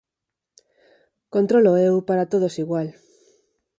Contróloo eu para todos igual.